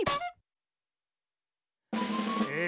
え